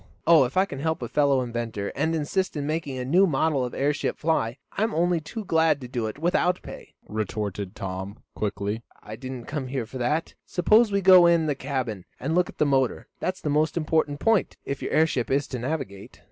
"Oh if I can help a fellow inventor, and assist in making a new model of airship fly, I'm only too glad to do it without pay," retorted Tom, quickly. "I didn't come here for that. Suppose we go in the cabin, and look at the motor. That's the most important point, if your airship is to navigate."